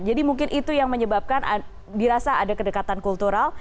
jadi mungkin itu yang menyebabkan dirasa ada kedekatan kultural